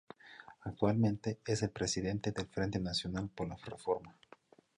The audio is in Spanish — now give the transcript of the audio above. Actualmente es el presidente del Frente Nacional por la Reforma.